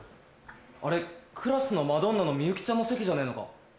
あれクラスのマドンナのミユキちゃんの席じゃねえのか？